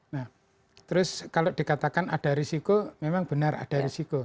nah terus kalau dikatakan ada risiko memang benar ada risiko